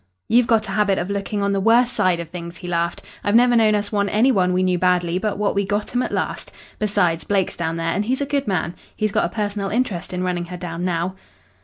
"You've got a habit of looking on the worst side of things," he laughed. "I've never known us want any one we knew badly but what we got 'em at last. Besides, Blake's down there, and he's a good man. He's got a personal interest in running her down now."